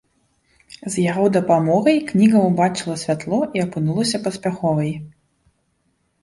З яго дапамогай кніга ўбачыла святло і апынулася паспяховай.